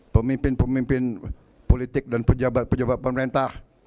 pemimpin pemimpin politik dan pejabat pejabat pemerintah